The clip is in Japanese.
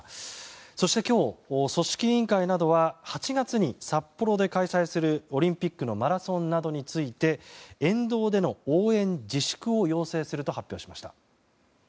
そして今日、組織委員会などは８月に札幌で開催するオリンピックのマラソンなどについて沿道での応援自粛を要請すると発表しました。